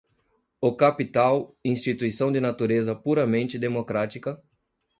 o capital, instituição de natureza puramente democrática